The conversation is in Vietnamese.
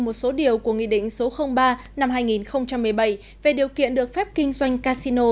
một số điều của nghị định số ba năm hai nghìn một mươi bảy về điều kiện được phép kinh doanh casino